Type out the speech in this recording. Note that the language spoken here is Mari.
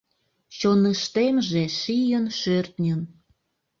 Чоныштемже шийын-шӧртньын